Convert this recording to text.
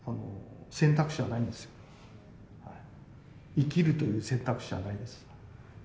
生きるという選択肢はないんです。